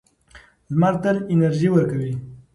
لمر تل انرژي ورکوي.